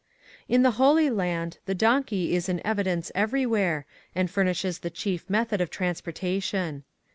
In the Holy Land the donkey is in evi dence everywhere and furnishes the chief method of transportation.